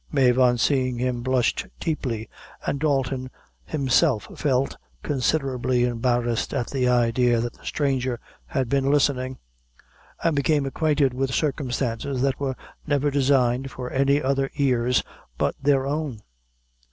Mave, on seeing him, blushed deeply, and Dalton himself felt considerably embarrassed at the idea that the stranger had been listening, and become acquainted with circumstances that were never designed for any other ears but their own.